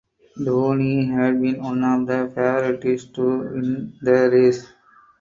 Dooney had been one of the favourites to win the race.